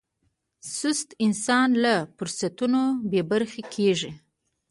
سست انسان له فرصتونو بې برخې کېږي.